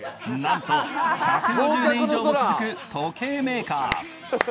なんと１５０年以上も続く時計メーカー。